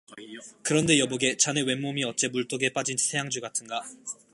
그런데 여보게, 자네 왼몸이 어째 물독에 빠진 새앙쥐 같은가.